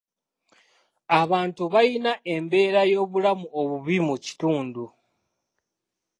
Abantu bayina embeera y'obulamu obubi mu kitundu.